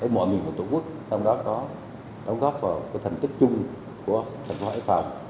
mọi miền của tổ quốc trong đó có đóng góp vào thành tích chung của thành phố hải phòng